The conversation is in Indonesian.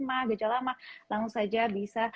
mah gejala mah langsung saja bisa